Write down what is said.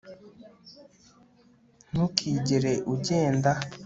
ntukigere ugenda